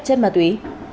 chất ma túy